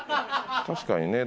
確かにね。